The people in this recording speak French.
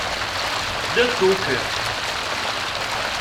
De tout cœur.